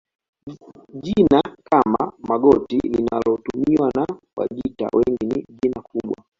Jina kama Magoti linalotumiwa na Wajita wengi ni jina kubwa